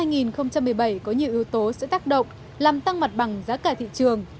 năm hai nghìn một mươi bảy có nhiều yếu tố sẽ tác động làm tăng mặt bằng giá cả thị trường